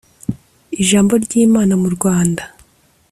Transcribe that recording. Ijambo ry Imana mu Rwanda